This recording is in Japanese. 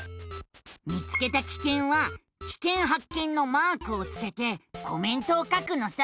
見つけたキケンはキケンはっけんのマークをつけてコメントを書くのさ。